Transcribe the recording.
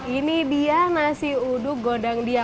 ini dia nasi uduk gondandia